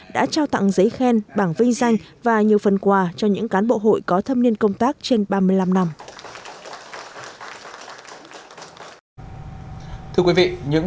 đã trao tặng giấy khen bảng vinh danh và nhiều phần quà cho những cán bộ hội có thâm niên công tác trên ba mươi năm năm